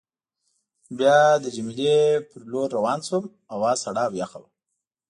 بیا د جميله په لور روان شوم، هوا سړه او یخه وه.